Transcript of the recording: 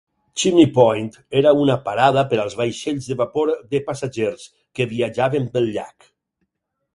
Chimney Point era una parada per als vaixells de vapor de passatgers que viatjaven pel llac.